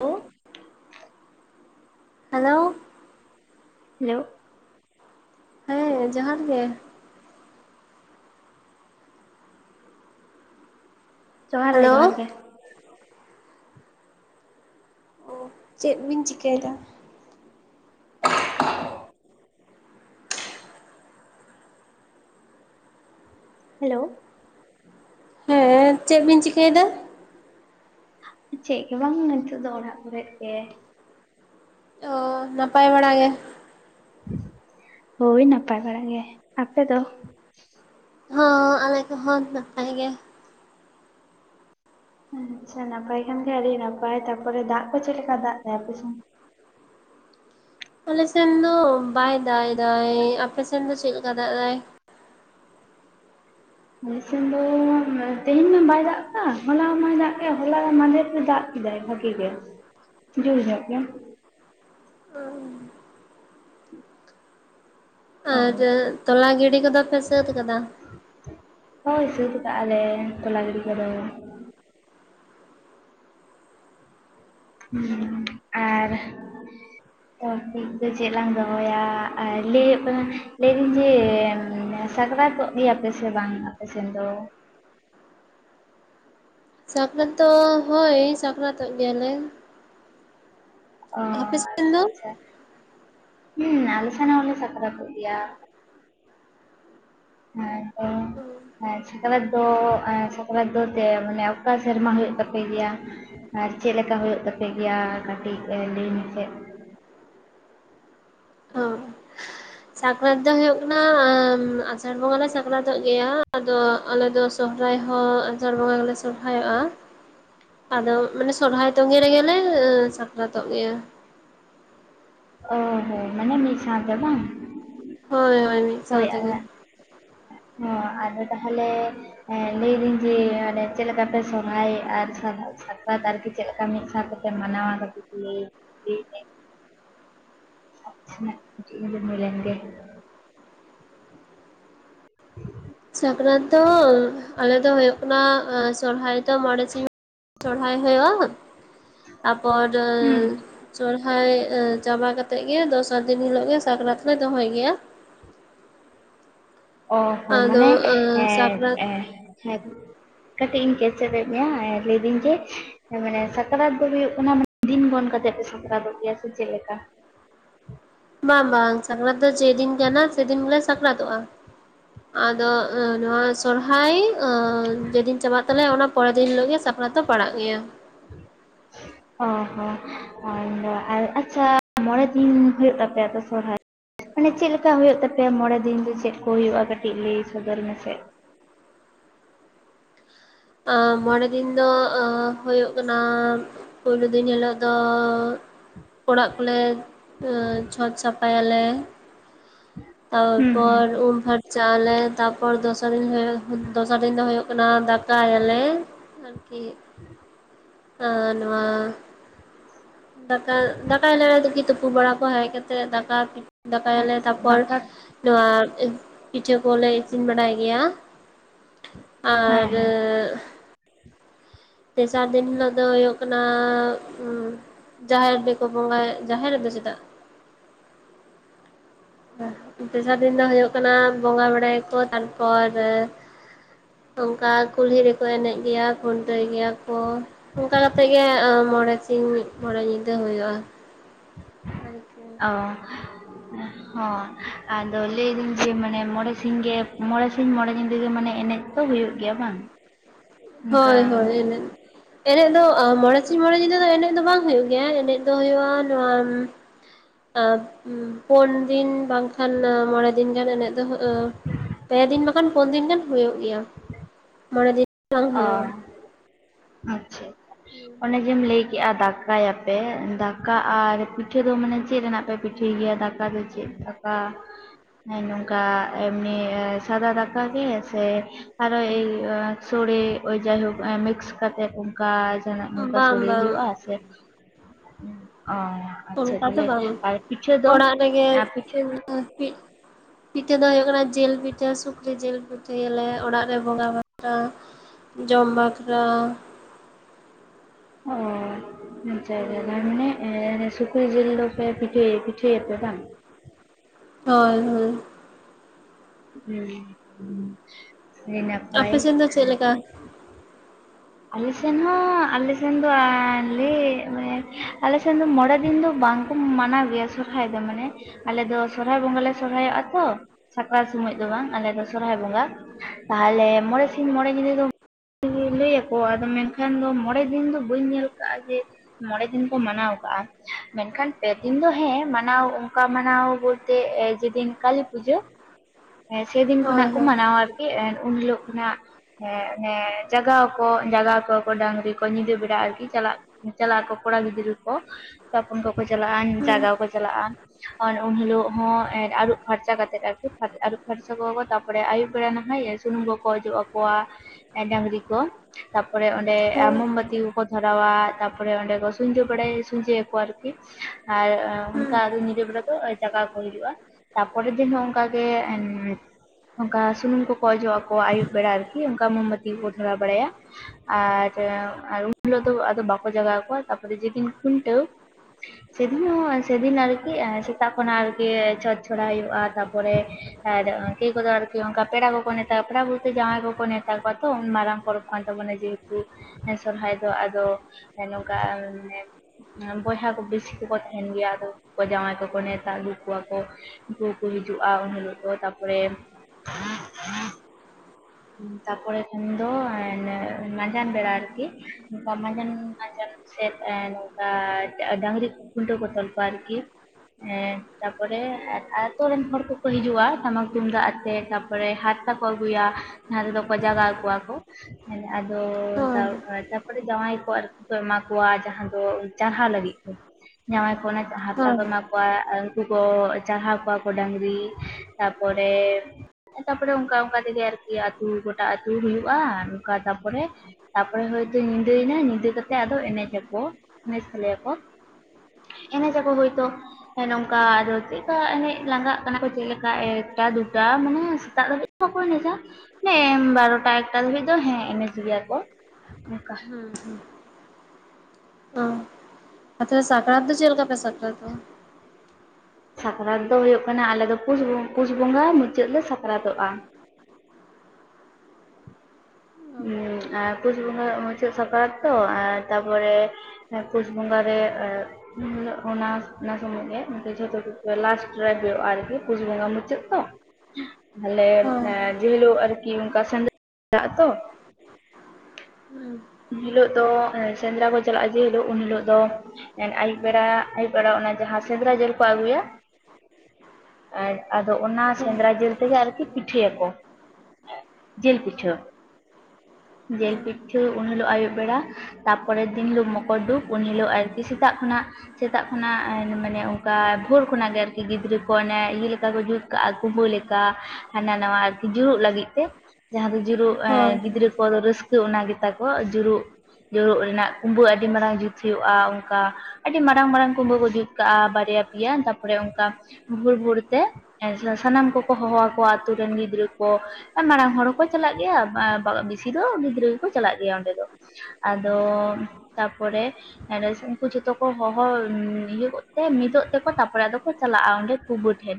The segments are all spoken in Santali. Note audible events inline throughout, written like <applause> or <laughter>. ᱦᱮᱞᱳ ᱦᱮᱞᱳ ᱦᱮᱞᱳ ᱦᱮᱸ ᱡᱚᱦᱟᱸᱨ ᱜᱮ ᱡᱚᱦᱟᱸᱨ ᱜᱮ ᱦᱮᱞᱳ ᱡᱚᱦᱟᱸᱨ ᱜᱮ ᱪᱮᱫ ᱵᱤᱱ ᱪᱤᱠᱟᱹᱭ ᱫᱟ? ᱦᱮᱞᱳ ᱦᱮᱸ ᱪᱮᱜ ᱵᱤᱱ ᱪᱤᱠᱟᱹᱭ ᱫᱟ ᱪᱮᱜ ᱜᱮ ᱵᱟᱝ ᱱᱤᱛᱚᱜ ᱫᱚ ᱚᱲᱟᱜ ᱠᱚᱨᱮᱜ ᱜᱮ ᱚ ᱱᱟᱯᱟᱭ ᱵᱟᱲᱟ ᱜᱮ ᱦᱳᱭ ᱱᱟᱯᱟᱭ ᱵᱟᱲᱟ ᱜᱮ ᱟᱯᱮ ᱫᱚ ᱦᱚᱸ ᱟᱞᱮ ᱠᱚᱦᱚᱸ ᱱᱟᱯᱟᱭ ᱜᱮ ᱟᱪᱪᱷᱟ ᱱᱟᱯᱟᱭ ᱠᱷᱟᱱ ᱜᱮ ᱟᱹᱰᱤ ᱱᱟᱯᱟᱭ ᱛᱟᱯᱚᱨᱮ ᱫᱟᱜ ᱠᱚ ᱪᱮᱫ ᱞᱮᱠᱟ ᱫᱟᱜ ᱫᱟᱭ ᱟᱯᱮᱥᱮᱫ? ᱟᱞᱮᱥᱱ ᱫᱚ ᱵᱟᱭ ᱫᱟᱜ ᱫᱟᱭ ᱟᱯᱮᱥᱮᱱ ᱫᱚ ᱪᱮᱫᱞᱮᱠᱟ ᱫᱟᱜ ᱫᱟᱭ ᱟᱞᱮᱥᱤᱱ ᱫᱚ ᱛᱮᱦᱮᱧ ᱢᱟ ᱵᱟᱭ ᱫᱟᱜ ᱠᱟᱜᱼᱟ ᱦᱚᱞᱟ ᱢᱟᱭ ᱫᱟᱜ ᱠᱮᱫ ᱦᱚᱞᱟ ᱢᱟᱫᱷᱮᱨ ᱜᱮ ᱫᱟᱜ ᱠᱮᱫᱟᱭ ᱵᱷᱟᱜᱮ ᱜᱮ ᱡᱳᱨ ᱧᱚᱜ ᱜᱮ ᱦᱳᱭ <inaudible> ᱦᱳᱭ ᱟᱨ ᱛᱚᱞᱟ ᱜᱤᱰᱤ ᱠᱚᱫᱚ ᱯᱮ ᱥᱟᱹᱛ ᱟᱠᱟᱫᱟ ᱦᱚᱭ ᱥᱟᱹᱛ ᱠᱟᱜᱼᱟ ᱞᱮ ᱛᱚᱞᱟ ᱜᱤᱰᱤ ᱠᱚᱫᱚ ᱦᱩᱸ ᱟᱨ ᱚ ᱫᱩᱠ ᱫᱚ ᱪᱮᱫ ᱞᱟᱝ ᱫᱚᱦᱚᱭᱟ ᱟᱨ ᱞᱟᱹᱭᱮᱜ <unintelligible> ᱞᱟᱹᱭᱫᱟᱹᱧ ᱡᱮ ᱥᱟᱠᱨᱟᱛ ᱜᱮᱭᱟ ᱯᱮ ᱥᱮ ᱵᱟᱝ ᱟᱯᱮᱥᱮᱱ ᱫᱚ ᱥᱟᱠᱨᱟᱛ ᱫᱚ ᱦᱳᱭ ᱥᱟᱠᱨᱟᱛᱚᱜ ᱜᱮᱭᱟᱞᱮ ᱚ ᱟᱯᱮ ᱥᱮᱱ ᱟᱪᱷᱟ ᱫᱚ? ᱟᱪᱷᱟ ᱦᱮᱸ ᱟᱞᱮ ᱥᱮᱱ ᱦᱚᱸᱞᱮ ᱥᱟᱠᱨᱟᱛᱚᱜ ᱜᱮᱭᱟ ᱦᱮᱸ ᱛᱳ ᱦᱮ ᱥᱟᱠᱨᱟᱫ ᱫᱚ ᱥᱟᱠᱨᱟᱫ ᱫᱚ ᱛᱮ ᱢᱟᱱᱮ ᱚᱠᱟ ᱥᱮᱨᱢᱟ ᱦᱩᱭᱩᱜ ᱛᱟᱯᱮ ᱜᱮᱭᱟ ᱟᱨ ᱪᱮᱫ ᱞᱮᱠᱟ ᱦᱩᱭᱩᱜ ᱛᱟᱯᱮ ᱜᱮᱭᱟ? ᱠᱟᱹᱴᱤᱡ ᱞᱟᱹᱭ ᱢᱮᱥᱮ᱾ ᱚ ᱥᱟᱠᱨᱟᱛ ᱫᱚ ᱦᱩᱭᱩᱜ ᱠᱟᱱᱟ ᱟᱥᱟᱲ ᱵᱚᱸᱜᱟ ᱨᱮ ᱥᱟᱠ ᱥᱟᱠᱨᱟᱠᱛᱜ ᱜᱮᱭᱟ ᱟᱫᱚ ᱟᱞᱮ ᱫᱚ ᱥᱚᱦᱨᱟᱭ ᱦᱚᱸ ᱟᱥᱟᱲ ᱵᱚᱸᱜᱟ ᱜᱮᱞᱮ᱾ ᱥᱚᱦᱨᱟᱭᱚᱜᱼᱟ ᱟᱫᱚ ᱢᱟᱱᱮ ᱥᱚᱨᱦᱟᱭ ᱛᱚᱜᱮ ᱨᱮᱜᱮ ᱞᱮ ᱥᱟᱠᱨᱟᱛᱚᱜ ᱜᱮᱭᱟ ᱚ ᱦᱚᱸ ᱢᱟᱱᱮ ᱢᱤᱫ ᱥᱟᱶᱜᱮ ᱵᱟᱝ ᱦᱳᱭ ᱦᱳᱭ ᱢᱤᱜ ᱦᱳᱭ ᱟᱫᱟ ᱟᱫᱚ ᱛᱟᱦᱟᱞᱮ ᱦᱮᱸ ᱞᱟᱹᱭᱤᱫᱟᱹᱧ ᱡᱮ ᱟᱱᱮ ᱪᱮᱫ ᱞᱮᱠᱟ ᱯᱮ ᱥᱚᱨᱦᱟᱭ ᱭᱮᱜ-ᱟ ᱟᱨ ᱥᱟᱠᱨᱟᱛ ᱟᱨᱠᱤ ᱪᱮᱫ ᱞᱮᱠᱟ ᱢᱤᱫ ᱥᱟᱶᱯᱢ ᱢᱟᱱᱟᱣᱟ ᱚᱱᱟ ᱠᱚ ᱞᱟᱹᱭ ᱢᱮ <unintelligible> ᱪᱮᱫ ᱠᱚ ᱞᱮᱛᱮ <unintelligible> ᱦᱩᱸ ᱥᱟᱠᱨᱟᱛ ᱫᱚ ᱟᱞᱮ ᱫᱚ ᱦᱩᱭᱩᱜ ᱠᱟᱱᱟ ᱥᱚᱨᱦᱟᱭ ᱫᱚ ᱢᱚᱬᱮ ᱥᱤᱝ ᱥᱚᱨᱦᱟᱭ ᱦᱩᱭᱩᱜ-ᱟ ᱛᱟᱯᱚᱨ ᱦᱩᱸ ᱥᱚᱨᱦᱟᱭ ᱪᱟᱵᱟ ᱠᱟᱛᱮ ᱜᱮ ᱫᱚᱥᱟᱨ ᱫᱤᱱ ᱦᱤᱞᱳᱜ ᱜᱮ ᱥᱟᱠᱨᱟᱛ ᱞᱮ ᱫᱚᱦᱚᱭ ᱜᱮᱭᱟ᱾ ᱚ ᱦᱚᱸ ᱟᱫᱚ ᱢᱟᱱᱮ ᱦᱮᱸ ᱥᱟᱠᱨᱟᱛ ᱠᱟᱹᱴᱤᱡ ᱤᱧ ᱠᱮᱪᱮᱫ ᱮᱫ ᱢᱮᱭᱟ ᱞᱟᱹᱭ ᱫᱤᱧ ᱡᱮ ᱦᱮᱸ ᱢᱟᱱᱮ ᱥᱟᱠᱨᱟᱛ ᱫᱚ ᱦᱩᱭᱩᱜ ᱠᱟᱱᱟ ᱢᱟᱱᱮ ᱫᱤᱱ ᱜᱚᱱ ᱠᱟᱛᱮᱜ ᱯᱮ ᱥᱟᱠᱨᱟᱛ ᱚᱜ ᱜᱮᱭᱟ ᱥᱮ ᱪᱮᱫ ᱞᱮᱠᱟ? ᱵᱟᱝ ᱵᱟᱝ ᱥᱟᱠᱨᱟᱛ ᱫᱚ ᱡᱮᱫᱤᱱ ᱠᱟᱱᱟ ᱥᱮᱫᱤᱱ ᱜᱮᱞᱮ ᱥᱟᱠᱨᱟᱛᱚᱜ-ᱟ᱾ ᱟᱫᱚ ᱱᱚᱣᱟ ᱥᱚᱨᱦᱟᱭ ᱡᱮᱫᱤᱱ ᱪᱟᱵᱟᱜ ᱛᱟᱞᱮᱭᱟ ᱚᱱᱟ ᱯᱚᱨᱮ ᱫᱤᱱ ᱦᱤᱞᱳᱜ ᱜᱮ ᱥᱟᱠᱟᱨᱟᱛ ᱫᱚ ᱯᱟᱲᱟᱜ ᱜᱮᱭᱟ᱾ ᱚ ᱦᱚᱸ ᱚ ᱟᱫᱚ ᱟᱨ ᱟᱪᱷᱟ ᱢᱚᱲᱮ ᱫᱤᱱ ᱦᱩᱭᱩᱜ ᱛᱟᱯᱮᱭᱟ ᱛᱚ ᱥᱚᱨᱚᱦᱟᱭ᱾ ᱢᱟᱱᱮ ᱪᱮᱫ ᱞᱮᱠᱟ ᱦᱩᱭᱩᱜ ᱛᱟᱯᱮᱭᱟ ᱢᱚᱬᱮ ᱫᱤᱱ ᱫᱚ ᱪᱮᱫ ᱠᱚ ᱦᱩᱭᱩᱜ-ᱟ ᱠᱟᱹᱴᱤᱡ ᱞᱟᱹᱭ ᱥᱚᱫᱚᱨ ᱢᱮᱥᱮ ᱢᱚᱬᱮ ᱫᱤᱱ ᱫᱚ ᱦᱚᱭᱚᱜ ᱠᱟᱱᱟ᱾ ᱯᱳᱭᱞᱳ ᱫᱤᱱ ᱦᱤᱞᱚᱜ ᱫᱚ᱾ ᱚᱲᱟᱜ ᱠᱚᱞᱮ ᱪᱷᱚᱸᱪ ᱥᱟᱯᱷᱟᱭ ᱟᱞᱮ᱾ ᱦᱩᱸ ᱦᱩᱸ ᱛᱟᱨᱯᱚᱨ ᱩᱢ ᱯᱷᱟ- ᱪᱟᱣᱞᱮ ᱛᱟᱯᱚᱨ ᱫᱚᱥᱟᱨ ᱫᱤᱱ ᱦᱩᱭᱩᱜ ᱫᱚᱥᱟᱨ ᱫᱤᱱ ᱫᱚ ᱦᱩᱭᱩᱜ ᱠᱟᱱᱟ ᱫᱟ- ᱠᱟᱭ ᱟᱞᱮ ᱟᱨᱠᱤ ᱛᱚ ᱱᱚᱣᱟ ᱫᱟᱠᱟ ᱫᱟᱠᱟ ᱟᱞᱮ ᱛᱮᱜᱤ ᱛᱩᱯᱩ ᱵᱟᱲᱟ ᱠᱚ ᱦᱮᱡ ᱠᱟᱛᱮᱡ ᱫᱟᱠᱟ ᱫᱟᱠᱟᱭ ᱟᱞᱮ ᱟᱪᱪᱷᱟ ᱛᱟᱯᱚᱨ ᱫᱟᱠᱟ ᱱᱚᱣᱟ ᱯᱤᱴᱷᱟᱹ ᱠᱚᱞᱮ ᱤᱥᱤᱱ ᱵᱟᱲᱟᱭ ᱜᱮᱭᱟ᱾ ᱦᱮᱸ ᱟᱨ ᱦᱮᱸ ᱛᱮᱥᱟᱨ ᱫᱤᱱ ᱦᱤᱞᱟᱹᱜ ᱫᱚ ᱦᱩᱭᱩᱜ ᱠᱟᱱᱟ᱾ ᱩᱸ ᱡᱟᱦᱮᱨ ᱨᱮᱠᱚ ᱵᱚᱸᱜᱟ ᱡᱟᱦᱮᱨ ᱨᱮᱫᱚ ᱪᱮᱫᱟᱜ᱾ ᱛᱮᱥᱟᱨ ᱫᱤᱱ ᱫᱚ ᱦᱩᱭᱩᱜ ᱠᱟᱱᱟ ᱵᱚᱸᱜᱟ ᱵᱟᱲᱟᱭᱟ ᱠᱚ ᱛᱟᱨᱯᱚᱨ᱾ ᱚᱱᱠᱟ ᱠᱩᱞᱦᱤ ᱨᱮᱠᱚ ᱮᱱᱮᱡ ᱜᱮᱭᱟ᱾ ᱞᱟᱹᱭ ᱜᱮᱭᱟ ᱠᱚ ᱚᱱᱠᱟ ᱠᱟᱛᱮᱜ ᱜᱮ ᱢᱚᱬᱮ ᱥᱤᱧ ᱢᱚᱬᱮ ᱧᱤᱫᱟᱹ ᱦᱩᱭᱩᱜ-ᱟ᱾ ᱚ <unintelligible> ᱦᱚᱸ ᱟᱫᱚ ᱞᱟᱹᱭ ᱫᱤᱧ ᱡᱮ ᱢᱟᱱᱮ ᱢᱚᱬᱮ ᱥᱤᱧ ᱜᱮ ᱢᱚᱬᱮ ᱥᱤᱧ ᱢᱚᱬᱮ ᱧᱤᱫᱟᱹ ᱜᱮ ᱢᱟᱱᱮ ᱮᱱᱮᱡ ᱛᱚ ᱦᱩᱭᱩᱜ ᱜᱮᱭᱟ ᱵᱟᱝ᱾ ᱚᱱᱠᱟ ᱦᱳᱭ ᱦᱳᱭ᱾ ᱮᱱᱮᱡ ᱫᱚ ᱢᱚᱬᱮ ᱥᱤᱧ ᱢᱚᱬᱮ ᱧᱤᱱᱟᱹ ᱫᱚ ᱮᱱᱮᱡ ᱫᱚ ᱵᱟᱝ ᱦᱩᱭᱩᱜ ᱜᱮᱭᱟ᱾ ᱮᱱᱮᱡ ᱫᱚ ᱦᱩᱭᱩᱜ-ᱟ ᱱᱚᱣᱟ ᱯᱳᱱ ᱫᱤᱱ ᱵᱟᱝᱠᱷᱟᱱ ᱢᱚᱬᱮ ᱫᱤᱱ ᱜᱟᱱ ᱮᱱᱮᱡ ᱫᱚ᱾ ᱯᱮ ᱫᱤᱱ ᱵᱟᱠᱷᱟᱱ ᱯᱳᱱ ᱫᱤᱱ ᱜᱟᱱ ᱦᱩᱭᱩᱜ ᱜᱮᱭᱟ ᱢᱚᱬᱮ ᱫᱤᱱ ᱵᱟᱝ ᱦᱩᱭᱩᱜ-ᱟ᱾ ᱟᱪᱷᱟ ᱚᱱᱮ- ᱡᱮᱢ ᱞᱟᱹᱭ ᱠᱮᱫ-ᱟ ᱫᱟᱠᱟᱭ ᱟᱯᱮ ᱫᱟᱠᱟ ᱟᱨ ᱯᱤᱴᱷᱟᱹ ᱫᱚ ᱢᱟᱱᱮ ᱪᱮᱫ ᱨᱮᱱᱟᱜ ᱯᱮ ᱯᱤᱴᱷᱟᱹᱭ ᱜᱮᱭᱟ ᱫᱟᱠᱟ ᱫᱚ᱾ ᱪᱮᱫ ᱫᱟᱠᱟ ᱦᱮᱸ ᱱᱚᱝᱠᱟ ᱮᱢᱱᱤ ᱥᱟᱫᱟ ᱫᱟᱠᱟ ᱜᱮ ᱥᱮ ᱟᱨᱚ ᱮᱤ ᱥᱚᱲᱮ ᱳᱭ ᱡᱟᱭ ᱦᱳᱠ ᱢᱤᱠᱥ ᱠᱟᱛᱮᱫ ᱚᱱᱠᱟ ᱡᱟᱦᱟ ᱱᱟᱜ ᱱᱚᱝᱠᱟ ᱵᱟᱝ ᱥᱳᱲᱮ ᱵᱟᱝ ᱦᱩᱭᱩᱜ-ᱟ ᱥᱮ᱾ ᱚᱸ ᱟᱪᱪᱷᱟ ᱚᱱᱠᱟ ᱫᱚ ᱛᱟᱦᱚᱞᱮ ᱵᱟᱝ ᱟᱨ ᱯᱤᱴᱷᱟᱹ ᱫᱚ ᱯᱤᱴᱷᱟᱹ ᱫᱚ᱾ ᱯᱤᱡ- ᱯᱤᱴᱷᱟᱹ ᱫᱚ ᱦᱳᱭᱳᱜ ᱠᱟᱱᱟ ᱡᱮᱞ ᱯᱤᱴᱷᱟᱹ ᱥᱩᱠᱨᱤ ᱡᱮᱞ ᱯᱤᱴᱷᱟᱹᱭ ᱟᱞᱮ ᱚᱲᱟᱜ ᱨᱮ ᱵᱚᱸᱜᱟ ᱵᱟᱠᱷᱨᱟ, ᱡᱚᱢ ᱵᱟᱠᱷᱨᱟ᱾ ᱚ ᱟᱪᱪᱷᱟ ᱟᱪᱪᱷᱟ ᱛᱟᱨ ᱱᱤᱭᱟᱹ᱾ ᱢᱟᱱᱮ ᱮᱸ ᱥᱩᱠᱨᱤ ᱡᱮᱞ ᱫᱚᱯᱮ ᱯᱤᱴᱷᱟᱹᱭᱟ ᱯᱤᱴᱷᱟᱹᱭ ᱟᱯᱮ ᱵᱟᱝ᱾ ᱦᱳᱭ ᱦᱳᱭ᱾ ᱦᱩᱸ ᱟᱹᱰᱤ ᱱᱟᱯᱟᱭ᱾ ᱟᱯᱮ ᱥᱮᱱ ᱫᱚ ᱪᱮᱫ ᱞᱮᱠᱟ ᱟᱞᱮᱥᱮᱱ ᱦᱚᱸ ᱟᱞᱮᱥᱮᱱ ᱫᱚ ᱟᱸᱞᱮᱻ ᱢᱟᱱᱮ ᱟᱞᱮᱥᱮᱱ ᱫᱚ ᱢᱚᱲᱮ ᱫᱤᱱ ᱫᱚ ᱵᱟᱝ ᱠᱚ ᱢᱟᱱᱟᱣ ᱜᱮᱭᱟ ᱥᱚᱨᱦᱟᱭ ᱫᱚ ᱢᱟᱱᱮ ᱟᱞᱮ ᱫᱚ ᱥᱚᱨᱦᱟᱭ ᱵᱚᱸᱜᱟ ᱞᱮ ᱥᱚᱨᱦᱟᱭᱚᱜᱼᱟ ᱛᱚ ᱾ ᱥᱟᱠᱨᱟᱛ ᱥᱩᱢᱟᱹᱡ ᱫᱚ ᱵᱟᱝ ᱟᱞᱮ ᱫᱚ ᱥᱚᱨᱦᱟᱭ ᱵᱚᱸᱜᱟ, ᱛᱟᱦᱚᱞᱮ ᱢᱚᱬᱮ ᱥᱤᱧ ᱢᱚᱬᱮ ᱜᱤᱫᱽᱨᱟᱹ ᱫᱚ ᱞᱟᱹᱭᱟ ᱠᱚ ᱟᱫᱚ ᱢᱮᱱᱠᱷᱟᱱ ᱫᱚ ᱢᱚᱬᱮ ᱫᱤᱱ ᱫᱚ ᱵᱟᱹᱧ ᱧᱮᱞ ᱠᱟᱜᱼᱟ ᱡᱮ ᱢᱚᱲᱮ ᱫᱤᱱ ᱠᱚ ᱢᱟᱱᱟᱣ ᱠᱟᱜᱼᱟ ᱾ ᱢᱮᱱᱠᱷᱟᱱ ᱯᱮ ᱫᱤᱱ ᱫᱚ ᱦᱮᱸ ᱢᱟᱱᱟᱣ ᱚᱱᱠᱟ ᱢᱟᱱᱟᱣ ᱵᱚᱞᱛᱮ ᱡᱮᱫᱤᱱ ᱠᱟᱹᱞᱤ ᱯᱩᱡᱟᱹ <inaudible> ᱦᱮᱸ ᱥᱮᱫᱤᱱ ᱦᱳᱭ ᱠᱷᱚᱱᱟᱜ ᱠᱚ ᱦᱳᱭ ᱢᱟᱱᱟᱣᱟ ᱟᱨᱠᱤ ᱮᱸ ᱩᱱᱦᱤᱞᱳᱜ ᱠᱷᱚᱱᱟᱜ ᱮᱸ ᱚᱱᱮ ᱡᱟᱜᱟᱣ ᱠᱚ ᱡᱟᱜᱟᱣ ᱠᱚᱣᱟ ᱠᱚ ᱰᱟᱝᱨᱤ ᱠᱚ ᱧᱤᱫᱟᱹ ᱵᱮᱲᱟ ᱟᱨᱠᱤ ᱪᱟᱞᱟᱜ ᱪᱟᱞᱟᱜ ᱟᱠᱚ ᱠᱚᱲᱟ ᱜᱤᱫᱽᱨᱟᱹ ᱠᱚ ᱾ ᱛᱟᱯᱚᱱ ᱠᱚᱠᱚ ᱪᱟᱞᱟᱜᱼᱟ ᱦᱩᱸ ᱡᱟᱜᱟᱣ ᱠᱚ ᱪᱟᱞᱟᱜᱼᱟ ᱾ ᱟᱨ ᱩᱱᱦᱤᱞᱳᱜ ᱦᱚᱸ ᱮᱫ ᱟᱹᱨᱩᱵ ᱯᱷᱟᱨᱪᱟ ᱠᱟᱛᱮᱜ ᱟᱨᱠᱤ ᱟᱹᱨᱩᱵ ᱯᱷᱟᱨᱪᱟ ᱠᱚᱣᱟ ᱠᱚ ᱛᱟ ᱯᱚᱨᱮ ᱟᱹᱭᱩᱵ ᱵᱮᱲᱟ ᱱᱟᱦᱚᱭ ᱥᱩᱱᱩᱢ ᱠᱚᱠᱚ ᱚᱡᱚᱜ ᱟᱠᱚᱣᱟ ᱰᱟᱝᱨᱤ ᱠᱚ ᱾ ᱛᱟᱯᱚᱨᱮ ᱚᱸᱰᱮ ᱟ ᱦᱳᱭ ᱢᱚᱢᱵᱟᱹᱛᱤ ᱠᱚᱠᱚ ᱫᱷᱚᱨᱟᱣᱟ, ᱛᱟᱯᱚᱨᱮ ᱚᱸᱰᱮ ᱠᱚ ᱥᱩᱧᱡᱟᱹ ᱵᱟᱲᱟᱭ ᱥᱩᱧᱡᱟᱹᱭᱟᱠᱚ ᱟᱨᱠᱤ ᱟᱨ ᱚᱱᱠᱟ ᱦᱩᱸ ᱟᱫᱚ ᱧᱤᱫᱟᱹ ᱵᱮᱲᱟ ᱫᱚ ᱡᱟᱜᱟᱣ ᱠᱚ ᱦᱤᱡᱩᱜᱼᱟ, ᱛᱟᱨᱯᱚᱨᱮᱨ ᱫᱤᱱ ᱦᱚᱸ ᱚᱱᱠᱟᱜᱮ ᱮᱱ ᱚᱝᱠᱟ ᱥᱩᱱᱩᱢ ᱠᱚᱠᱚ ᱚᱡᱚᱜ ᱟᱠᱚᱣᱟ ᱟᱭᱩᱵ ᱵᱮᱲᱟ ᱟᱨᱠᱤ, ᱚᱝᱠᱟ ᱢᱳᱢᱵᱟᱹᱛᱤ ᱠᱚᱠᱚ ᱫᱷᱚᱨᱟᱣ ᱵᱟᱲᱟᱭᱟ ᱾ ᱟᱨ ᱩᱱᱦᱤᱞᱳᱜ ᱫᱚ ᱟᱫᱚ ᱵᱟᱠᱚ ᱡᱟᱜᱟᱣᱠᱚᱣᱟ ᱛᱟᱯᱚᱨᱮ ᱡᱮᱫᱤᱱ ᱠᱷᱩᱱᱴᱟᱹᱣ <inaudible> ᱥᱮᱫᱤᱱ ᱦᱚᱸ ᱥᱮᱫᱤᱱ ᱟᱨᱠᱤ ᱮᱸ ᱥᱮᱛᱟᱜ ᱠᱷᱚᱱᱟᱜ ᱟᱨᱠᱤ ᱪᱷᱚᱸᱪ ᱪᱷᱚᱲᱟ ᱦᱩᱭᱩᱜᱼᱟ, ᱛᱟᱯᱚᱨᱮ ᱟᱨ ᱠᱮᱣ ᱠᱚᱫᱚ ᱟᱨᱠᱤ ᱚᱱᱠᱟ ᱯᱮᱲᱟ ᱠᱚᱠᱚ ᱱᱮᱣᱛᱟ ᱯᱮᱲᱟ ᱵᱚᱞᱛᱮ ᱡᱟᱣᱟᱭ ᱠᱚᱠᱚ ᱱᱮᱣᱛᱟ ᱠᱚᱣᱟ ᱛᱚ, ᱢᱟᱨᱟᱝ ᱯᱚᱨᱚᱵ ᱟᱫᱚ ᱢᱟᱱᱮ ᱡᱮᱦᱮᱛᱩ ᱥᱚᱨᱦᱟᱭ ᱫᱚ ᱟᱫᱚ ᱱᱚᱝᱠᱟ ᱢᱟᱱᱮ ᱵᱚᱭᱦᱟ ᱠᱚ ᱵᱮᱥᱤ ᱠᱚᱠᱚ ᱛᱟᱦᱮᱱ ᱜᱮᱭᱟ ᱟᱫᱚ ᱡᱟᱶᱟᱭ ᱠᱚᱠᱚ ᱱᱮᱣᱛᱟ ᱟᱹᱜᱩ ᱠᱚᱣᱟ ᱠᱚ ᱾ ᱩᱝᱠᱩ ᱦᱚᱸᱠᱚ ᱦᱤᱡᱩᱜᱼᱟ ᱩᱱᱦᱤᱞᱳᱜ ᱫᱚ, ᱛᱟᱯᱚᱨᱮ <inaudible> ᱩᱸ ᱛᱟᱯᱚᱨᱮ ᱠᱷᱚᱱ ᱫᱚ ᱮᱻᱱᱮ ᱢᱟᱸᱡᱟᱱ ᱵᱮᱲᱟ ᱟᱨᱠᱤ ᱱᱚᱝᱠᱟ ᱢᱟᱡᱟᱱ ᱢᱟᱡᱟᱱ ᱥᱮᱫ ᱮᱸ ᱱᱚᱝᱠᱟ ᱰᱟᱝᱨᱤ ᱠᱚ ᱠᱷᱩᱱᱴᱟᱹᱣ ᱠᱚ ᱛᱚᱞ ᱠᱚᱣᱟ ᱟᱨᱠᱤ ᱾ ᱮᱸ ᱛᱟᱯᱚᱨᱮ ᱟᱛᱳ ᱨᱮᱱ ᱦᱚᱲ ᱠᱚᱠᱚ ᱦᱤᱡᱩᱜᱼᱟ ᱴᱟᱢᱟᱠ ᱛᱩᱢᱫᱟᱜ ᱟᱛᱮᱜ ᱛᱟ ᱯᱚᱨᱮ ᱦᱟᱨᱛᱟ ᱠᱚ ᱟᱜᱩᱭᱟ ᱾ ᱡᱟᱦᱟᱸ ᱛᱮᱫᱚ ᱠᱚ ᱡᱟᱜᱟᱣ ᱠᱚᱣᱟ ᱠᱚ, ᱦᱮᱸ ᱟᱫᱚ ᱦᱳᱭ ᱫᱟᱣ <unintelligible> ᱠᱚᱨᱮ ᱡᱟᱶᱟᱭ ᱠᱚ ᱟᱨᱠᱤ ᱠᱚ ᱮᱢᱟ ᱠᱚᱣᱟ, ᱡᱟᱦᱟᱸ ᱫᱚ ᱪᱟᱨᱦᱟᱣ ᱞᱟᱹᱜᱤᱫ ᱛᱮ, ᱡᱟᱶᱟᱭ ᱠᱚᱲᱟ ᱦᱟᱨᱛᱟ ᱦᱳᱭ ᱠᱚ ᱮᱢᱟ ᱠᱚᱣᱟ ᱩᱝᱠᱩ ᱠᱚ ᱪᱟᱨᱦᱟᱣ ᱠᱚᱣᱟ ᱠᱚ ᱰᱟᱝᱨᱤ, ᱛᱟᱯᱚᱨᱮ ᱛᱟᱨᱯᱚᱨᱮ ᱚᱱᱠᱟ ᱚᱱᱠᱟ ᱛᱮᱜᱮ ᱟᱨᱠᱤ ᱟᱹᱛᱩ ᱜᱚᱴᱟ ᱟᱹᱛᱩ ᱦᱩᱭᱩᱜᱼᱟ ᱚᱱᱠᱟ ᱛᱟᱨᱯᱚᱨᱮ ᱛᱟᱯᱚᱨᱮ ᱦᱚᱭᱛᱚ ᱧᱤᱫᱟᱹᱭᱮᱱᱟ ᱧᱤᱫᱟᱹ ᱠᱟᱛᱮᱜ ᱟᱫᱚ ᱮᱱᱮᱡ ᱟᱠᱚ ᱮᱱᱮᱡ ᱛᱟᱞᱮᱭᱟᱠᱚ ᱾ ᱮᱱᱮᱡᱟᱠᱚ ᱦᱳᱭᱛᱚ ᱾ ᱦᱮᱸ ᱱᱚᱝᱠᱟ ᱟᱫᱚ ᱪᱮᱫᱠᱟ ᱮᱱᱮᱡ ᱞᱟᱸᱜᱟᱜ ᱠᱟᱱᱟ ᱠᱚ ᱪᱮᱫ ᱞᱮᱠᱟ ᱮᱠᱴᱟ ᱫᱩᱴᱟ ᱢᱟᱱᱮ ᱥᱮᱛᱟᱜ ᱫᱷᱟᱹᱵᱤᱡ ᱵᱟᱠᱚ ᱮᱱᱮᱡᱟ ᱱᱮᱢ ᱵᱟᱨᱚᱴᱟ ᱮᱠᱴᱟ ᱫᱷᱟᱹᱵᱤᱡ ᱫᱚ ᱦᱮᱸ ᱮᱱᱮᱡ ᱜᱮᱭᱟ ᱠᱚ ᱾ ᱦᱩᱸ ᱦᱩᱸ ᱾ ᱚ ᱟᱪᱪᱷᱟ ᱥᱟᱠᱨᱟᱛ ᱫᱚ ᱪᱮᱫ ᱞᱮᱠᱟ ᱯᱮ ᱥᱟᱠᱨᱟᱛ ᱛᱚᱣᱟ? ᱥᱟᱠᱨᱟᱛ ᱫᱚ ᱦᱳᱭᱳᱜ ᱠᱟᱱᱟ ᱟᱞᱮ ᱫᱚ ᱯᱩᱥ ᱵᱚ ᱯᱩᱥ ᱵᱚᱸᱜᱟ ᱢᱩᱪᱟᱹᱫ ᱞᱮ ᱥᱟᱠᱨᱟᱛᱚᱜᱼᱟ ᱾ ᱦᱩᱸ ᱟᱨ ᱯᱩᱥ ᱵᱚᱸᱜᱟ ᱢᱩᱪᱟᱹᱫ ᱥᱟᱠᱨᱟᱛ ᱛᱚ ᱮᱸ ᱛᱟᱯᱚᱨᱮ ᱯᱩᱥ ᱵᱚᱸᱜᱟ ᱨᱮ ᱮᱸ ᱩᱱ ᱦᱳᱞᱳᱜ ᱚᱱᱟ ᱚᱱᱟ ᱥᱚᱢᱚᱡ ᱜᱮ ᱡᱷᱚᱛᱚ <unintelligible> ᱞᱟᱥᱴ ᱨᱮ ᱦᱳᱭᱳᱜᱼᱟ ᱟᱨᱠᱤ ᱯᱩᱥ ᱵᱚᱸᱜᱟ ᱢᱩᱪᱟᱹᱫ ᱛᱚ ᱾ ᱛᱟᱦᱚᱞᱮ ᱦᱳᱭ ᱮᱸ ᱡᱮᱦᱤᱞᱳᱜ ᱟᱨᱠᱤ ᱚᱝᱠᱟ ᱥᱮᱸ <inaudible> ᱟ ᱛᱚ, <inaudible> ᱦᱩᱸ ᱩᱱ ᱦᱤᱞᱳᱜ ᱫᱚ ᱮᱸ ᱥᱮᱸᱫᱽᱨᱟ ᱠᱚ ᱪᱟᱞᱟᱜᱼᱟ ᱡᱮᱦᱤᱞᱳᱜ ᱩᱱ ᱦᱤᱞᱳᱜ ᱫᱚ ᱟᱨ ᱟᱹᱭᱩᱵ ᱵᱮᱲᱟ ᱟᱹᱭᱩᱵ ᱵᱮᱲᱟ ᱚᱱᱟ ᱡᱟᱦᱟᱸ ᱥᱮᱸᱫᱽᱨᱟ ᱡᱤᱞ ᱠᱚ ᱟᱹᱜᱩᱭᱟ ᱟᱨ ᱟᱫᱚ ᱚᱱᱟ ᱦᱳᱭ ᱥᱮᱸᱫᱽᱨᱟ ᱡᱤᱞ ᱛᱮᱜᱮ ᱟᱨᱠᱤ ᱯᱤ ᱯᱷᱤᱭᱟᱠᱚ ᱡᱤᱞ ᱯᱤᱴᱷᱟᱹ ᱡᱤᱞ ᱯᱤᱴᱷᱟᱹ ᱩᱱ ᱦᱤᱞᱳᱜ ᱟᱹᱭᱩᱵ ᱵᱮᱲᱟ ᱛᱟᱨᱯᱚᱨᱮᱨ ᱫᱤᱱ ᱦᱤᱞᱳᱜ ᱢᱚᱠᱚᱨᱰᱩᱵ ᱩᱱ ᱦᱤᱞᱳᱜ ᱟᱨᱠᱤ ᱥᱮᱛᱟᱜ ᱠᱷᱚᱱᱟᱜ ᱥᱮᱛᱟᱜ ᱠᱷᱚᱱᱟᱜ ᱢᱟᱱᱮ ᱚᱱᱠᱟ ᱵᱷᱳᱨ ᱠᱷᱚᱱᱟᱜ ᱜᱮ ᱟᱨᱠᱤ ᱜᱤᱫᱽᱨᱟᱹ ᱠᱚ ᱚᱱᱮ ᱤᱭᱟᱹ ᱞᱮᱠᱟ ᱠᱚ ᱡᱩᱛ ᱠᱟᱜ ᱟ ᱠᱩᱵᱩ ᱞᱮᱠᱟ ᱦᱟᱱᱟ ᱱᱟᱣᱟ ᱟᱨ ᱡᱩᱨᱩᱜ ᱞᱟᱹᱜᱤᱫ ᱛᱮ ᱡᱟᱦᱟᱸ ᱫᱚ ᱡᱩᱨᱩᱜ ᱦᱳᱭ ᱜᱤᱫᱽᱨᱟᱹ ᱠᱚᱫᱚ ᱨᱟᱹᱥᱠᱟᱹ ᱚᱱᱟ ᱜᱮᱛᱟ ᱠᱚ ᱡᱩᱨᱩᱜ᱾ ᱡᱩᱨᱩᱜ ᱨᱮᱱᱟᱜ ᱠᱩᱢᱵᱟᱹ ᱟᱹᱰᱤ ᱢᱟᱨᱟᱝ ᱡᱩᱛ ᱦᱩᱭᱩᱜᱼᱟ ᱚᱱᱠᱟ ᱟᱹᱰᱤ ᱢᱟᱨᱟᱝ ᱢᱟᱨᱟᱝ ᱠᱩᱢᱵᱟᱹ ᱠᱚ ᱡᱩᱛ ᱠᱟᱜᱼᱟ ᱵᱟᱨᱭᱟ ᱯᱮᱭᱟ ᱛᱟᱨᱯᱚᱨᱮ ᱚᱱᱠᱟ ᱵᱷᱳᱨ ᱵᱷᱳᱨᱛᱮ ᱥᱟᱱᱟᱢ ᱠᱚᱠᱚ ᱦᱚᱦᱚ ᱟᱠᱚᱣᱟ ᱟᱛᱳ ᱨᱮᱱ ᱜᱤᱫᱽᱨᱟᱹ ᱠᱚ ᱢᱟᱲᱟᱝ ᱦᱚᱲ ᱦᱚᱸᱠᱚ ᱪᱟᱞᱟᱜ ᱜᱮᱭᱟ ᱵᱟᱼᱵᱟ ᱵᱮᱥᱤ ᱫᱚ ᱜᱤᱫᱽᱨᱟᱹ ᱜᱮᱠᱚ ᱪᱟᱞᱟᱜ ᱜᱮᱭᱟ ᱚᱸᱰᱮ ᱫᱚ᱾ ᱟᱫᱚ ᱛᱟᱯᱚᱨᱮ ᱩᱱᱠᱩ ᱡᱷᱚᱛᱚ ᱠᱚ ᱦᱚᱦᱚ ᱤᱟᱹᱭ ᱠᱚᱜᱛᱮ ᱢᱤᱫᱚᱜ ᱛᱮᱠᱚ ᱛᱟᱨᱯᱚᱨᱮ ᱟᱫᱚ ᱠᱚ ᱪᱟᱞᱟᱜᱼᱟ ᱚᱸᱰᱮ ᱠᱩᱵᱟᱹ ᱴᱷᱮᱱ᱾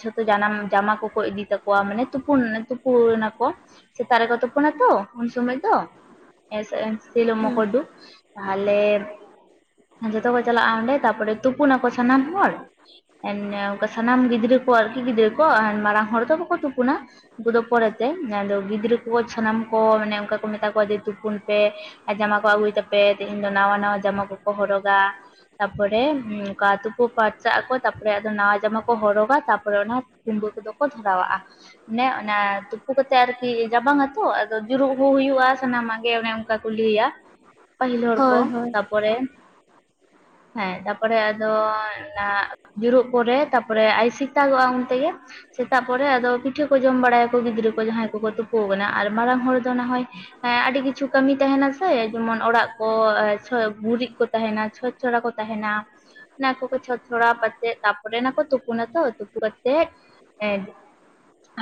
ᱡᱷᱚᱛᱚ ᱡᱟᱱᱟᱢ ᱡᱟᱢᱟ ᱠᱚᱠᱚ ᱤᱫᱤ ᱛᱟᱠᱚᱣᱟ ᱢᱟᱱᱮ ᱛᱩᱯᱩᱱ ᱛᱩᱯᱩᱱ ᱱᱟᱠᱚ᱾ ᱥᱮᱛᱟᱜ ᱨᱮᱠᱚ ᱛᱚᱯᱩᱱᱟᱛᱚ ᱩᱱ ᱥᱚᱢᱚᱭ ᱫᱚ ᱮ ᱥᱮ ᱥᱤᱞᱚᱜ ᱦᱩᱸ ᱢᱚᱠᱚᱨᱰᱩ᱾ ᱟᱞᱮ ᱡᱚᱛᱚ ᱠᱚ ᱪᱟᱞᱟᱜᱼᱟ ᱚᱸᱰᱮ ᱛᱟᱯᱚᱨᱮ ᱛᱩᱯᱩᱱᱟ ᱟᱠᱚ ᱥᱟᱱᱟᱢ ᱦᱚᱲ᱾ ᱚᱱᱮ ᱥᱟᱱᱟᱢ ᱜᱤᱫᱽᱨᱟᱹ ᱠᱚ ᱟᱨᱠᱤ ᱜᱤᱫᱽᱨᱟᱹ ᱠᱚ ᱢᱟᱲᱟᱝ ᱦᱚᱲ ᱫᱚ ᱵᱟᱠᱚ ᱛᱩᱯᱩᱱᱟ᱾ ᱩᱱᱠᱩ ᱫᱚ ᱯᱚᱨᱮᱛᱮ ᱟᱫᱚ ᱜᱤᱫᱽᱨᱟᱹ ᱠᱚ ᱥᱟᱱᱟᱢ ᱠᱚ ᱢᱟᱱᱮ ᱚᱱᱠᱟ ᱠᱚ ᱢᱮᱛᱟ ᱡᱮ ᱛᱩᱯᱩᱱ ᱯᱮ ᱟᱨ ᱡᱟᱢᱟ ᱠᱚ ᱟᱹᱜᱩᱭ ᱛᱟᱯᱮ ᱛᱮᱦᱤᱧ ᱫᱚ ᱱᱟᱣᱟ ᱱᱟᱣᱟ ᱡᱟᱢᱟ ᱠᱚᱠᱚ ᱦᱚᱨᱚᱜᱟ᱾ ᱛᱟᱯᱚᱨᱮ ᱚᱱᱠᱟ ᱛᱩᱯᱩ ᱯᱷᱟᱨᱪᱟᱜ ᱟᱠᱚ ᱛᱟᱯᱚᱨᱮᱫᱚ ᱱᱟᱣᱟ ᱡᱟᱢᱟ ᱠᱚ ᱦᱚᱨᱚᱜᱟ ᱛᱟᱯᱚᱨᱮ ᱚᱱᱟ ᱠᱩᱢᱵᱟᱹ ᱠᱚᱫᱚ ᱠᱚ ᱫᱷᱚᱨᱟᱣᱟᱜᱼᱟ᱾ ᱚᱱᱮ ᱚᱱᱟ ᱛᱩᱯᱩ ᱠᱟᱛᱮᱜ ᱟᱨᱠᱤ ᱨᱟᱵᱟᱝ ᱟᱛᱚ ᱟᱫᱚ ᱡᱩᱨᱩᱜ ᱦᱩ ᱦᱩᱭᱩᱜᱼᱟ᱾ ᱥᱟᱱᱟᱢᱟᱜ ᱜᱮ ᱚᱱᱮ ᱚᱱᱠᱟ ᱠᱚ ᱞᱟᱹᱭᱟ ᱯᱟᱹᱦᱤᱞ ᱦᱚᱲ ᱠᱚ ᱦᱳᱭ ᱦᱳᱭ ᱛᱟᱨᱯᱚᱨᱮ ᱦᱮᱸ ᱛᱟᱯᱚᱨᱮ ᱟᱫᱚ ᱚᱱᱟ ᱡᱩᱨᱩᱜ ᱯᱚᱨᱮ ᱛᱟᱨᱯᱚᱨᱮ ᱟᱭ ᱥᱮᱛᱟᱜ ᱜᱚᱜᱼᱟ ᱩᱱᱛᱮᱜᱮ᱾ ᱥᱮᱛᱟᱜ ᱯᱚᱨᱮ ᱟᱫᱚ ᱯᱤᱴᱷᱟᱹ ᱠᱚ ᱡᱚᱢ ᱵᱟᱲᱟᱭᱟᱠᱚ ᱜᱤᱫᱽᱨᱟᱹ ᱠᱚ ᱡᱟᱦᱟᱸᱭ ᱠᱚᱠᱚ ᱛᱩᱯᱳ ᱠᱟᱱᱟ ᱟᱨ ᱢᱟᱨᱟᱝ ᱦᱚᱲ ᱫᱚ ᱱᱟᱦᱚᱭ ᱦᱮᱸ ᱟᱹᱰᱤ ᱠᱤᱪᱷᱩ ᱠᱟᱹᱢᱤ ᱛᱟᱦᱮᱱᱟ ᱥᱮ ᱡᱮᱢᱚᱱ ᱚᱲᱟᱜ ᱠᱚ ᱪᱷᱟ ᱜᱩᱨᱤᱡ ᱠᱚ ᱛᱟᱦᱮᱱᱟ ᱪᱷᱚ ᱪᱷᱚᱲᱟ ᱠᱚ ᱛᱟᱦᱮᱱᱟ᱾ ᱚᱱᱟ ᱠᱚ ᱪᱷᱚᱡ ᱪᱷᱚᱲᱟᱣ ᱠᱟᱛᱮᱜ ᱛᱟᱯᱚᱨᱮ ᱚᱱᱟ ᱠᱚ ᱛᱩᱯᱩᱱᱟᱛᱚ ᱛᱩᱯᱩ ᱠᱟᱛᱮᱜ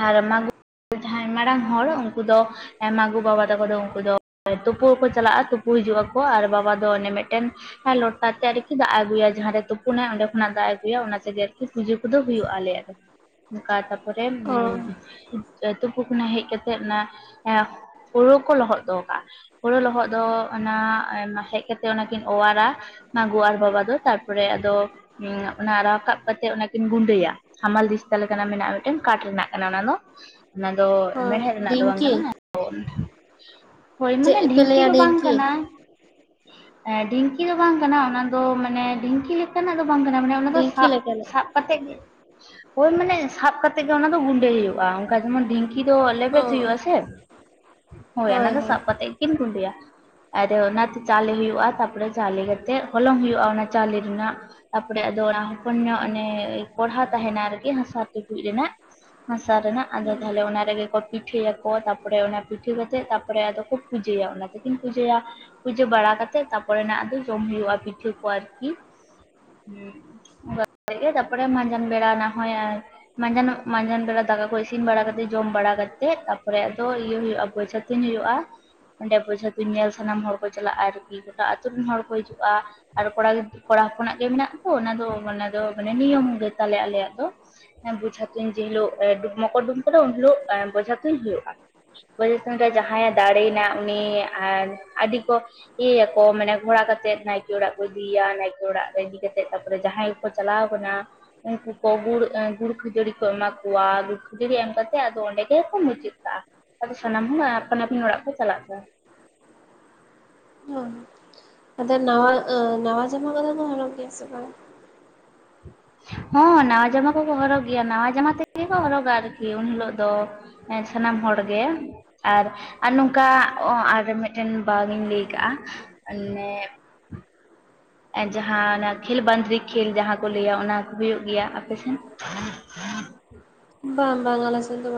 ᱟᱨ ᱢᱟᱜᱩᱵᱟ ᱡᱟᱦᱟᱸᱭ ᱢᱟᱨᱟᱝ ᱦᱚᱲ ᱩᱱᱠᱩ ᱫᱚ ᱢᱟᱜᱩ ᱵᱟᱵᱟ ᱛᱟᱠᱚ ᱫᱚ ᱩᱱᱠᱩ ᱫᱚ ᱛᱩᱯᱩᱠᱚ ᱪᱟᱞᱟᱜᱼᱟ ᱛᱩᱯᱩ ᱦᱤᱡᱩᱜ ᱟᱠᱚ ᱟᱨ ᱵᱟᱵᱟ ᱫᱚ ᱚᱱᱮ ᱢᱤᱫᱴᱮᱱ ᱦᱮ ᱞᱚᱴᱟ ᱛᱮ ᱟᱨᱠᱤ ᱫᱟᱜ ᱮ ᱟᱹᱜᱩᱭᱟ ᱡᱟᱦᱟᱸᱨᱮᱭ ᱛᱩᱯᱩᱱᱟᱭ ᱚᱸᱰᱮ ᱠᱷᱚᱱᱟᱜ ᱫᱟᱜ ᱮ ᱟᱹᱜᱩᱭᱟ ᱚᱱᱟ ᱛᱮᱜᱮ ᱟᱨᱠᱤ ᱯᱩᱡᱟᱹ ᱠᱚᱫᱚ ᱦᱩᱭᱩᱜᱼᱟ ᱟᱞᱮᱭᱟᱜ᱾ ᱚᱱᱠᱟ ᱛᱟᱯᱚᱨᱮ ᱚ ᱛᱩᱯᱩ ᱠᱷᱚᱱᱟᱜ ᱦᱮᱡ ᱠᱟᱛᱮ ᱚᱱᱟ ᱮ ᱦᱳᱲᱳ ᱠᱚ ᱞᱚᱦᱚᱫ ᱫᱚᱦᱚ ᱠᱟᱜᱼᱟ ᱦᱳᱲᱳ ᱞᱚᱦᱚᱫ ᱫᱚ ᱚᱱᱟ ᱦᱮᱡ ᱠᱟᱛᱮ ᱚᱱᱟᱠᱤᱱ ᱚᱣᱟᱨᱟ᱾ ᱢᱟᱜᱩ ᱟᱨ ᱵᱟᱵᱟ ᱫᱚ ᱛᱟᱨᱯᱚᱨᱮ ᱟᱫᱚ ᱚᱱᱟ ᱨᱟᱠᱟᱵ ᱠᱟᱛᱮ ᱚᱱᱟᱠᱤᱱ ᱜᱩᱸᱰᱟᱹᱭᱟ ᱦᱟᱢᱟᱞ ᱫᱤᱥᱛᱟ ᱞᱮᱠᱟᱱᱟᱜ ᱢᱮᱱᱟᱜᱼᱟ ᱢᱤᱫᱴᱮᱱ ᱠᱟᱴ ᱨᱮᱱᱟᱜ ᱠᱟᱱᱟ ᱚᱱᱟ ᱫᱚ ᱚᱱᱟ ᱫᱚ ᱦᱳᱭ ᱢᱮᱬᱦᱮᱫ ᱨᱮᱱᱟᱜ ᱫᱚ ᱵᱟᱝ ᱰᱷᱤᱝᱠᱤ ᱠᱟᱱᱟ ᱦᱳᱭ ᱢᱟᱱᱮ ᱪᱮᱫ ᱯᱮ ᱰᱷᱤᱝᱠᱤ ᱞᱟᱹᱭᱟ ᱫᱚ ᱵᱟᱝ ᱠᱟᱱᱟ᱾ ᱰᱷᱤᱝᱠᱤ ᱫᱚ ᱵᱟᱝ ᱠᱟᱱᱟ ᱚᱱᱟ ᱫᱚ ᱢᱟᱱᱮ ᱰᱷᱤᱝᱠᱤ ᱞᱮᱠᱟᱱᱟᱜ ᱫᱚ ᱵᱟᱝ ᱠᱟᱱᱟ ᱢᱟᱱᱮ ᱚᱱᱟ ᱫᱚ ᱰᱷᱤᱝᱠᱤ ᱥᱟᱵ ᱞᱮᱠᱟᱱᱟᱜ ᱥᱟᱵ ᱠᱟᱛᱮ ᱜᱮ ᱳᱭ ᱢᱟᱱᱮ ᱥᱟᱵ ᱠᱟᱛᱮᱜ ᱜᱮ ᱚᱱᱟ ᱫᱚ ᱜᱩᱸᱰᱟᱹᱭ ᱦᱩᱭᱩᱜᱼᱟ ᱚᱱᱠᱟ ᱡᱮᱢᱚᱱ ᱰᱷᱤᱝᱠᱤ ᱫᱚ ᱚ ᱞᱮᱵᱮᱫ ᱦᱩᱭᱩᱜ ᱟᱥᱮ᱾ ᱦᱳᱭ ᱚᱱᱟ ᱫᱚ ᱥᱟᱵ ᱠᱟᱛᱮᱮᱫ ᱠᱤᱱ ᱜᱩᱸᱰᱟᱹᱭᱟ᱾ ᱟᱨ ᱚᱱᱟᱛᱮ ᱪᱟᱣᱞᱮ ᱦᱩᱭᱩᱜᱼᱟ ᱛᱟᱨᱯᱚᱨᱮ ᱪᱟᱣᱞᱮ ᱠᱟᱛᱮᱮᱫ ᱦᱚᱞᱚᱝ ᱦᱩᱭᱩᱜᱼᱟ ᱚᱱᱟ ᱪᱟᱣᱞᱮ ᱨᱮᱱᱟᱜ᱾ ᱛᱟᱯᱚᱨᱮᱫᱚ ᱚᱱᱟ ᱦᱚᱯᱚᱱ ᱧᱚᱜ ᱚᱱᱮ ᱠᱚᱲᱦᱟ ᱛᱟᱦᱮᱱᱟ ᱟᱨᱠᱤ ᱦᱟᱥᱟ ᱴᱩᱠᱩᱡ ᱨᱮᱱᱟᱜ᱾ ᱦᱟᱥᱟ ᱨᱮᱱᱟᱜ ᱟᱫᱚ ᱦᱩᱸ ᱛᱟᱦᱚᱞᱮ ᱚᱱᱟ ᱨᱮᱜᱮ ᱠᱚ ᱯᱤᱴᱷᱟᱹ ᱭᱟᱠᱚ ᱛᱟᱯᱚᱨᱮ ᱚᱱᱟ ᱯᱤᱴᱷᱟᱹ ᱠᱟᱛᱮᱫ, ᱛᱟᱨ ᱯᱚᱨᱮ ᱟᱫᱚ ᱠᱚ, ᱯᱩᱡᱟᱹᱭᱟ ᱾ ᱚᱱᱟ ᱛᱮᱠᱤᱱ ᱯᱩᱡᱟᱹᱭᱟ ᱯᱩᱡᱟᱹ ᱵᱟᱲᱟ ᱠᱟᱛᱮᱫ, ᱛᱟᱨ ᱯᱚᱨᱮ ᱱᱟᱜ ᱫᱚ, ᱡᱚᱢ ᱦᱩᱭᱩᱜᱼᱟ, ᱯᱤᱴᱷᱟᱹ ᱠᱚ, ᱟᱨᱠᱤ ᱾ <unintelligible> ᱛᱟ ᱯᱚᱨᱮ ᱢᱟᱸᱡᱟᱱ ᱵᱮᱲᱟ, ᱱᱟᱜ ᱦᱚᱭᱼᱭᱟᱭ ᱾ ᱢᱟᱸᱡᱟᱱ ᱱᱚᱜ ᱢᱟᱸᱡᱟᱱ ᱵᱮᱲᱟ, ᱫᱟᱠᱟ ᱠᱚ, ᱤᱥᱤᱱ ᱵᱟᱲᱟ ᱠᱟᱛᱮᱜ, ᱡᱚᱢ ᱵᱟᱲᱟ ᱠᱟᱛᱮᱜ, ᱛᱟ ᱯᱚᱨᱮ ᱟᱫᱚ ᱤᱭᱟᱹ ᱦᱩᱭᱩᱜᱼᱟ ᱯᱚᱭᱥᱟ ᱛᱤᱧ ᱦᱩᱭᱩᱜᱼᱟ ᱾ ᱚᱸᱰᱮ, ᱵᱚᱡᱷᱟ ᱛᱩᱧ ᱧᱮᱞ ᱥᱟᱱᱟᱢ ᱦᱚᱲ ᱠᱚ ᱪᱟᱞᱟᱜᱼᱟ, ᱟᱨᱠᱤ ᱜᱚᱴᱟ ᱟᱹᱛᱩ ᱨᱮᱱ ᱦᱚᱲ ᱠᱚ ᱦᱤᱡᱩᱜᱼᱟ ᱾ ᱟᱨ, ᱠᱚᱲᱟ ᱜᱤᱫᱟ. ᱠᱚᱲᱟ ᱦᱚᱯᱚᱱᱟᱜ ᱜᱮ, ᱢᱮᱱᱟᱜ ᱛᱚ, ᱚᱱᱟ ᱫᱚ, ᱚᱱᱟ ᱫᱚ ᱢᱟᱱᱮ, ᱱᱤᱭᱚᱢ ᱜᱮ ᱛᱟᱞᱮ ᱟᱞᱮᱭᱟᱜ ᱫᱚ ᱵᱚᱡᱷᱟ ᱛᱩᱧ ᱡᱮ, ᱦᱤᱞᱳᱜ, ᱮ ᱰᱩᱵ ᱢᱚᱠᱚ ᱰᱩᱵ ᱩᱱ ᱦᱤᱞᱳᱜ, ᱵᱚᱡᱷᱟ ᱛᱩᱧ ᱦᱩᱭᱩᱜᱳᱼᱟ ᱾ ᱵᱮᱡᱷᱟ ᱛᱩᱧ ᱨᱮ, ᱡᱟᱦᱟᱸᱭᱮ ᱫᱟᱲᱮ ᱭᱮᱱᱟ, ᱩᱱᱤ ᱟᱻ ᱟᱹᱰᱤ ᱠᱚ ᱤᱭᱟᱹᱭᱟᱠᱚ, ᱢᱟᱱᱮ ᱜᱷᱚᱲᱟ ᱠᱟᱛᱮᱜ, ᱱᱟᱭᱠᱮ ᱚᱲᱟᱜ ᱠᱚ, ᱤᱫᱤᱭᱮᱭᱟ, ᱱᱟᱭᱠᱮ ᱚᱲᱟᱜ ᱠᱚ, ᱤᱫᱤ ᱠᱟᱛᱮᱜ, ᱛᱟ ᱯᱚᱨᱮ ᱡᱟᱦᱟᱸᱭ ᱠᱚ, ᱪᱟᱞᱟᱣ ᱟᱠᱟᱱᱟ ᱩᱱᱠᱩ ᱠᱚ ᱜᱩᱲ, ᱜᱩᱲ ᱠᱷᱟᱹᱡᱟᱹᱲᱤ ᱠᱚ, ᱮᱢᱟ ᱠᱚᱣᱟ ᱾ ᱜᱩᱲ ᱠᱷᱟᱹᱡᱟᱹᱲᱤ ᱮᱢ ᱠᱟᱛᱮᱫ, ᱟᱫᱚ, ᱚᱸᱰᱮ ᱜᱮᱠᱚ, ᱢᱩᱪᱟᱹᱫ ᱠᱟᱜᱼᱟ ᱾ ᱟᱫᱚ, ᱥᱟᱱᱟᱢ ᱦᱚᱸ, ᱟᱯᱟᱱ ᱟᱹᱯᱤᱱᱤ ᱚᱲᱟᱜ ᱠᱚ, ᱪᱟᱞᱟᱜ ᱠᱟᱱᱟ ᱾ ᱦᱚᱭ, ᱟᱫᱚ ᱱᱟᱣᱟ, ᱱᱟᱣᱟ ᱡᱟᱢᱟ ᱠᱚᱫᱚ ᱠᱚ, ᱦᱚᱨᱚᱜ‌ ᱜᱮᱭᱟ, ᱥᱮ ᱵᱟᱝ? ᱦᱚᱸ, ᱱᱟᱣᱟ ᱡᱟᱢᱟ ᱠᱚᱠᱚ, ᱦᱚᱨᱚᱜ ᱜᱮᱭᱟ ᱾ ᱱᱟᱣᱟ ᱡᱟᱢᱟ ᱛᱮᱜᱮ ᱠᱚ, ᱦᱚᱨᱚᱜᱟ, ᱟᱨᱠᱤ ᱾ ᱩᱱ ᱦᱤᱞᱳᱜ ᱫᱚ ᱦᱮᱸᱼ, ᱥᱟᱱᱟᱢ ᱦᱚᱲ ᱜᱮ ᱟᱨ, ᱟᱨ ᱱᱚᱝᱠᱟ, ᱟᱨ ᱢᱤᱫᱴᱮᱱ, ᱵᱟᱝ ᱤᱧ ᱞᱟᱹᱭ ᱟᱠᱟᱜᱼᱟ, ᱢᱟᱱᱮ ᱮᱼ ᱡᱟᱦᱟᱸ ᱚᱱᱟ, ᱠᱷᱮᱞ ᱵᱟᱸᱫᱨᱤ ᱠᱷᱮᱞ, ᱡᱟᱦᱟᱸ ᱠᱚ ᱞᱟᱹᱭᱟ, ᱚᱱᱟ ᱠᱚ ᱦᱩᱭᱩᱜ ᱜᱮᱭᱟ, ᱟᱯᱮ ᱥᱮᱱ? <unintelligible> <unintelligible> ᱵᱟᱝ ᱵᱟᱝ, ᱟᱞᱮ ᱥᱮᱱ, ᱫᱚ ᱵᱟᱝ ᱾